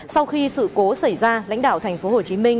sau khi sự cố xảy ra lãnh đạo thành phố hồ chí minh